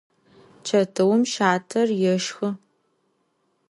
Çetıum şater yêşşxı.